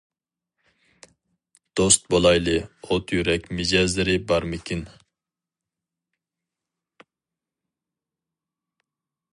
دوست بولايلى ئوت يۈرەك مىجەزلىرى بارمىكىن.